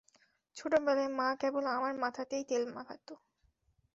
ছোটবেলায়, মা কেবল আমার মাথাতেই তেল মাখাতো।